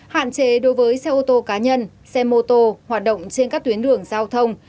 hạn chế đối với xe ô tô cá nhân xe mô tô hoạt động trên các tuyến đường giao thông